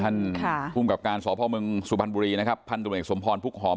ท่านภูมิกับการสพเมืองสุพรรณบุรีนะครับพันธุรกิจสมพรพุกหอม